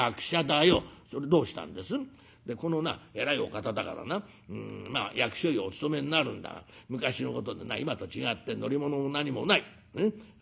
「でこのな偉いお方だからな役所にお勤めになるんだが昔のことでな今と違って乗り物も何もない。